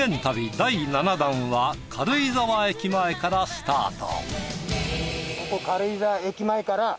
第７弾は軽井沢駅前からスタート。